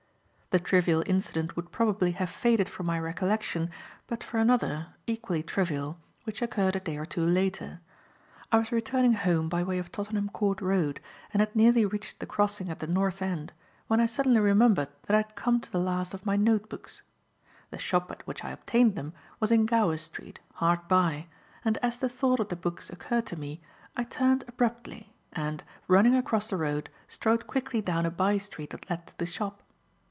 The trivial incident would probably have faded from my recollection but for another, equally trivial, which occurred a day or two later. I was returning home by way of Tottenham Court Road and had nearly reached the crossing at the north end when I suddenly remembered that I had come to the last of my note books. The shop at which I obtained them was in Gower Street, hard by, and as the thought of the books occurred to me, I turned abruptly and, running across the road, strode quickly down a by street that led to the shop.